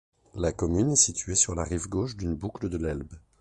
La commune est située sur la rive gauche d'une boucle de l'Elbe.